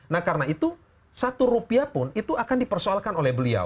nah karena itu satu rupiah pun itu akan dipersoalkan oleh beliau